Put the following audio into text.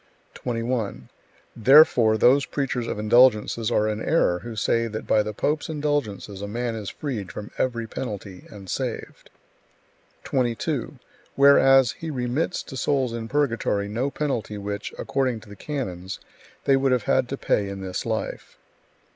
21. Therefore those preachers of indulgences are in error, who say that by the pope's indulgences a man is freed from every penalty, and saved; 22. Whereas he remits to souls in purgatory no penalty which, according to the canons, they would have had to pay in this life.